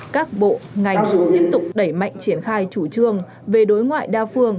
các bộ ngành tiếp tục đẩy mạnh triển khai chủ trương về đối ngoại đa phương